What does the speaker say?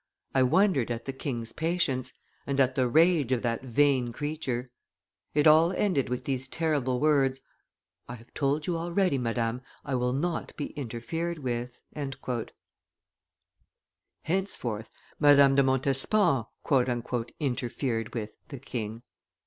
I wondered at the king's patience, and at the rage of that vain creature. It all ended with these terrible words: 'I have told you already, madame; I will not be interfered with.'" Henceforth Madame de Montespan "interfered with" the king.